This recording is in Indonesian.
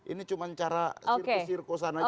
ini cuma cara sirkus sirkusan aja